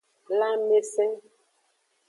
Lanmese.